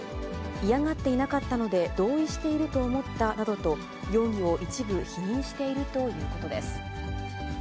嫌がっていなかったので、同意していると思ったなどと、容疑を一部否認しているということです。